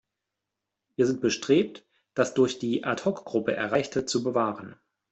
Wir sind bestrebt, das durch die Ad-Hoc-Gruppe Erreichte zu bewahren.